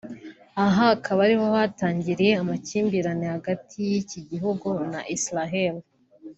aha akaba ariho hatangiriye amakimbirane hagati y’iki gihugu na Israel